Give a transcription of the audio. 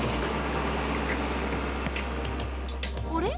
あれ？